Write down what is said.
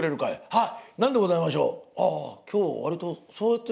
はい。